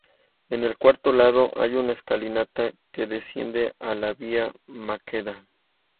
En el cuarto lado hay una escalinata que desciende a la Via Maqueda.